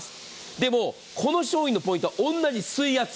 でも、この商品のポイントは同じ水圧。